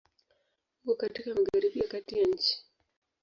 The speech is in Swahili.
Uko katika Magharibi ya Kati ya nchi.